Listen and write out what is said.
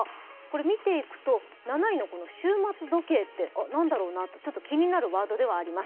見ていくと７位の終末時計って何だろうなってちょっと気になるワードではあります。